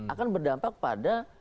akan berdampak pada